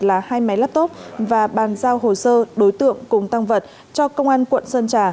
là hai máy laptop và bàn giao hồ sơ đối tượng cùng tăng vật cho công an quận sơn trà